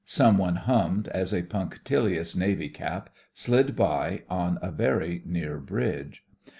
'" some one hummed as a punctilious navy cap slid by on a very near bridge.